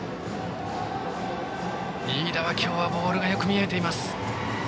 飯田は今日ボールがよく見えている。